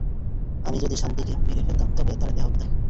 আমি যদি শান্তিকে মেরে ফেলতাম তবে তার দেহ কোথায়?